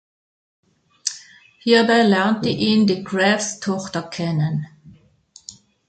Hierbei lernte ihn De Graeffs Tochter kennen.